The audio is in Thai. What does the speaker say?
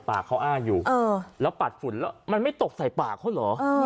ปากเขาอ้างอยู่แล้วปัดฝุ่นแล้วมันไม่ตกใส่ปากเขาเหรอ